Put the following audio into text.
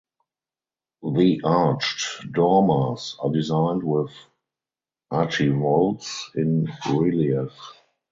The arched dormers are designed with archivolts in relief.